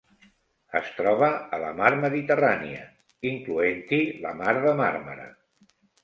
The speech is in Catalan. Es troba a la Mar Mediterrània, incloent-hi la Mar de Màrmara.